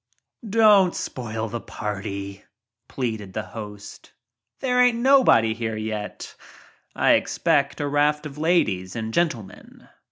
"Don't spoil the party," pleaded the host. "There ain't nobody here yet. I expect a raft of ladies and gentlemen.